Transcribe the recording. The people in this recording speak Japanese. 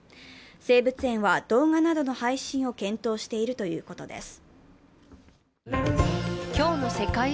生物園は動画などの配信を検討しているということです。